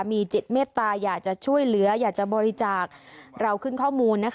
มีจิตเมตตาอยากจะช่วยเหลืออยากจะบริจาคเราขึ้นข้อมูล